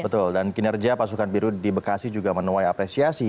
betul dan kinerja pasukan biru di bekasi juga menuai apresiasi